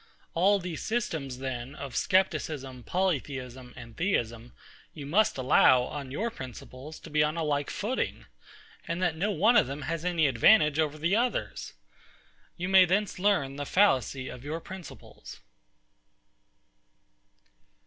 All these systems, then, of Scepticism, Polytheism, and Theism, you must allow, on your principles, to be on a like footing, and that no one of them has any advantage over the others. You may thence learn the fallacy of your principles.